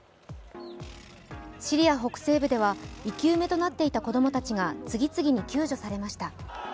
シリア北西部では生き埋めとなっていた子供たちが次々に救助されました。